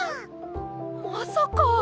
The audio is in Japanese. まさか！